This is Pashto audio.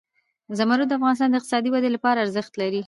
زمرد د افغانستان د اقتصادي ودې لپاره ارزښت لري.